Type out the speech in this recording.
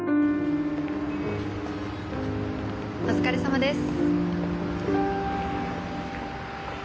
お疲れさまです。